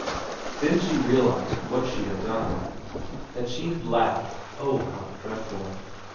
Then she realised what she had done, that she had laughed oh, how dreadful